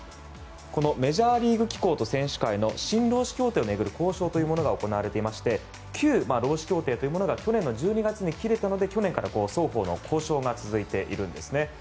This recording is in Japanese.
このメジャーリーグ機構と選手会の新労使協定を巡る交渉というものが行われていまして旧労使協定が去年の１２月に切れたので去年から双方の協議が続いているんですね。